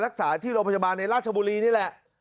รักษาที่โรงพยาบาลในราชบุรีนี่แหละ